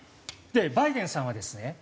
バイデンさんはですね